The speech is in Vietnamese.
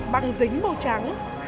bằng dính màu trắng